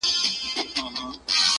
مېږي خور که شرمښکۍ ده که مرغان دي!!